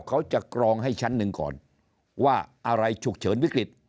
เขาจะกรองให้ชั้นหนึ่งก่อนว่าอะไรฉุกเฉินวิกฤต